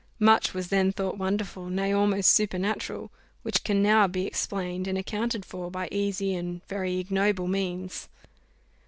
Much was then thought wonderful, nay, almost supernatural, which can now be explained and accounted for, by asy and very ignoble means.